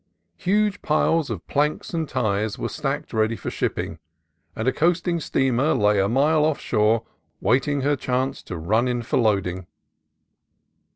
Huge piles of planks and ties were stacked ready for shipping, and a coasting steamer lay a mile offshore waiting her chance to run in for loading.